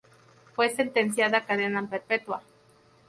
Fue sentenciada a cadena perpetua.